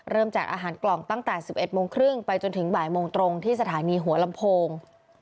แจกอาหารกล่องตั้งแต่๑๑โมงครึ่งไปจนถึงบ่ายโมงตรงที่สถานีหัวลำโพง